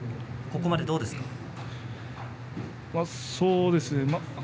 ここまでどうですか。